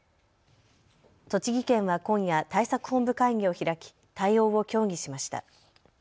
栃木県は今夜、対策本部会議を開き対応を協議しました。